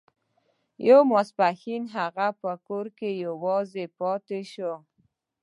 یو ماسپښین هغه په کور کې یوازې پاتې شوی و